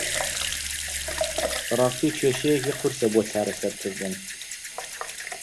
بەڕاستی کێشەیەکی قورسە بۆ چارەسەرکردن.